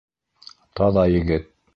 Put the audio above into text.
Таҙа егет.